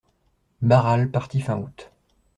Barral partit fin août.